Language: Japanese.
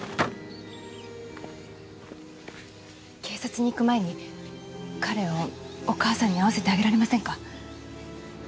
警察に行く前に彼をお母さんに会わせてあげられませんか？